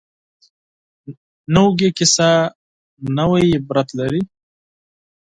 نوې کیسه نوې عبرت لري